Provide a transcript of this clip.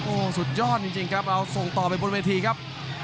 โอ้โหสุดยอดจริงครับเราส่งต่อไปบนเวทีครับ